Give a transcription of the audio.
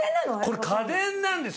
これ、家電なんですよ。